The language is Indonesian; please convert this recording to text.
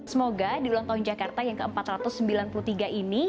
semoga di ulang tahun jakarta yang ke empat ratus sembilan puluh tiga ini